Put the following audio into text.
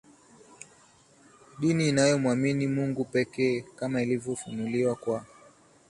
dini inayomwamini Mungu pekee kama alivyofunuliwa kwa